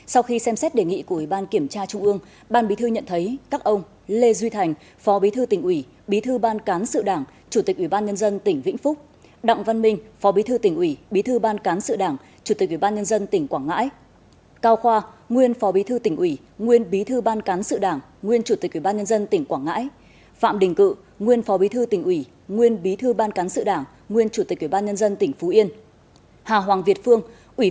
sau khi xem xét đề nghị của ubnd trung ương ban bí thư nhận thấy các ông